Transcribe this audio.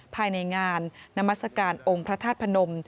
ภายในงานนามัศกาลองค์พระธาตุพนม